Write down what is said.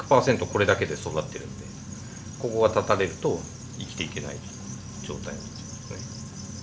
これだけで育ってるんでここが絶たれると生きていけない状態。